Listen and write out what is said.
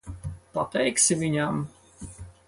Pateiksi viņam?